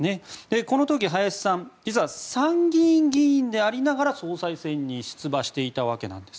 この時、林さんは実は参議院議員でありながら総裁選に出馬していたわけなんです。